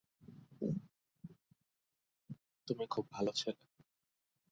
ওরচেস্টারশায়ারের পক্ষে খেলাকালীন দুইবার ক্লাবের কাউন্টি চ্যাম্পিয়নশীপের শিরোপা বিজয়ে প্রভূতঃ ভূমিকা রাখেন।